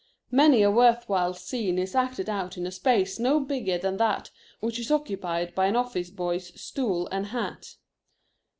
Many a worth while scene is acted out in a space no bigger than that which is occupied by an office boy's stool and hat.